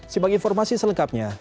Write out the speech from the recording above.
simak informasi selengkapnya